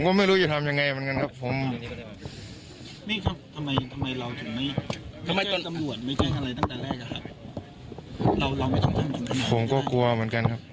เราไม่ต้องทำอย่างนั้นหรือเปล่าครับผมก็กลัวเหมือนกันครับ